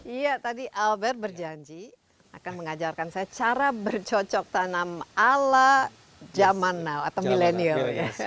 iya tadi albert berjanji akan mengajarkan saya cara bercocok tanam ala zaman now atau milenial